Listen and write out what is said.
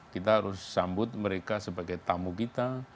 kita harus sambut mereka sebagai tamu kita